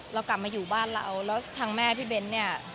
เรากลับมาอยู่บ้านเราแล้วทางแม่พี่เบ้นเนี่ย